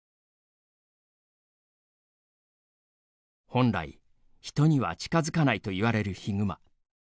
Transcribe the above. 本来、人には近づかないといわれるヒグマ。